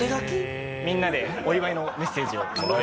みんなでお祝いのメッセージを。